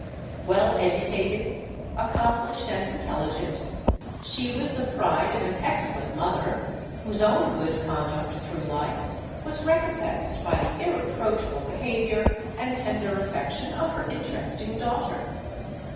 Well educated, accomplished, and intelligent, she was the pride of an excellent mother, whose own good conduct through life was recompensed by the irreproachable behaviour and tender affection of her interesting daughter.